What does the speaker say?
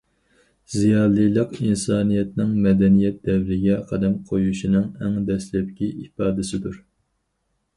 زىيالىيلىق ئىنسانىيەتنىڭ مەدەنىيەت دەۋرىگە قەدەم قويۇشىنىڭ ئەڭ دەسلەپكى ئىپادىسىدۇر.